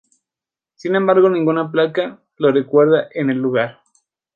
Sin embargo, ninguna placa los recuerda en el lugar.